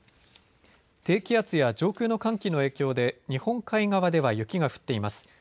低気圧や上空の寒気の影響で日本海側では雪が降っています。